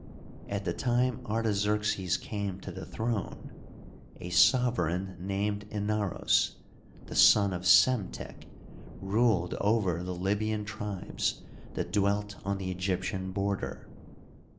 At the time Artaxerxes came to the throne, a sover eign named Inaros, the son of Psemtek, ruled over the Libyan tribes that dwelt on the Egyptian border.